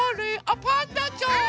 あパンダちゃん！